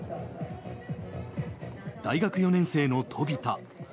大学４年生の飛田。